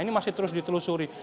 ini masih terus ditelusuri